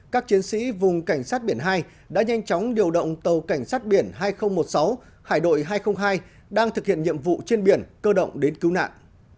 các chiến sĩ vùng cảnh sát biển hai đã nhanh chóng điều động tàu cảnh sát biển hai nghìn một mươi sáu hải đội hai trăm linh hai đang thực hiện nhiệm vụ trên biển cơ động đến cứu nạn